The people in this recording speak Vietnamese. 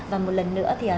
và một lần nữa